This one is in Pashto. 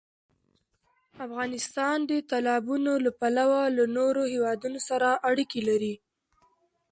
افغانستان د تالابونه له پلوه له نورو هېوادونو سره اړیکې لري.